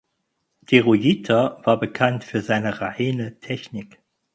De Ruijter war bekannt für seine „reine“ Technik.